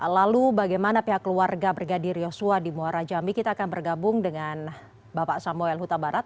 lalu bagaimana pihak keluarga brigadir yosua di muara jambi kita akan bergabung dengan bapak samuel huta barat